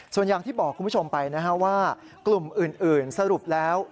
ส่วนอย่างที่บอกคุณผู้ชมไปนะฮะว่ากลุ่มอื่นสรุปแล้ว